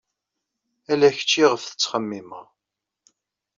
Ala kečč ayɣef ttxemmimeɣ.